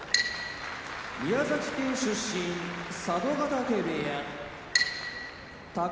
宮崎県出身佐渡ヶ嶽部屋宝